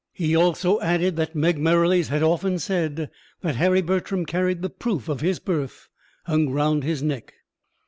He also added that Meg Merrilies had often said that Harry Bertram carried the proof of his birth hung round his neck.